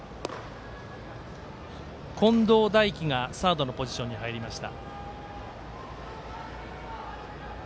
近藤大輝がサードのポジションに入りました。